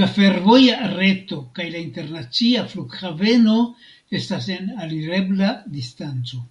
La fervoja reto kaj la internacia flughaveno estas en alirebla distanco.